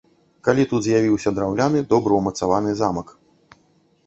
Калі тут з'явіўся драўляны добра ўмацаваны замак.